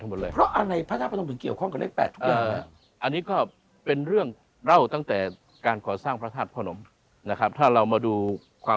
ที่เรื่องเล่าโบราณมาบอกว่า